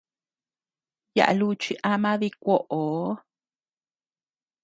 Yaʼa luchi ama dikuoʼoo.